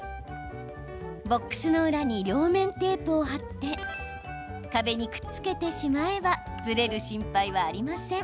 ボックスの裏に両面テープを貼って壁にくっつけてしまえばずれる心配はありません。